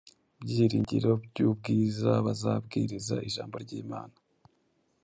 byiringiro by’ubwiza bazabwiriza “ijambo ry’Imana”